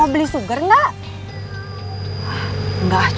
yang berfungsi untuk menggerakkan dinding pembuluh darahnya